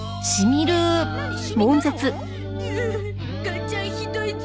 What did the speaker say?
うう母ちゃんひどいゾ。